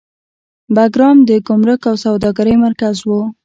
بګرام د ګمرک او سوداګرۍ مرکز و